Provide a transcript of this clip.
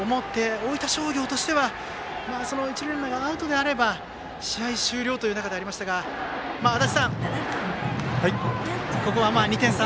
大分商業としては一塁ランナーがアウトであれば試合終了という中でしたが足達さん、ここは２点差。